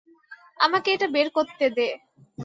আমাকে এটা বের করতে দে!